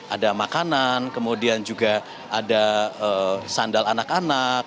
ada makanan kemudian juga ada sandal anak anak